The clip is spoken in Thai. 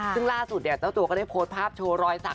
ซึ่งล่าสุดเนี่ยเจ้าตัวก็ได้โพสต์ภาพโชว์รอยสัก